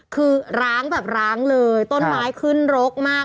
คือร้างแบบร้างเลยต้นไม้ขึ้นรกมาก